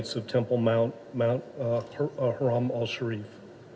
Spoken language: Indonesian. di tempat berkulit suci mount haram al sharif